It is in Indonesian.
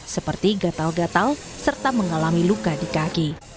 seperti gatal gatal serta mengalami luka di kaki